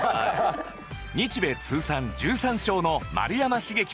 日米通算１３勝の丸山茂樹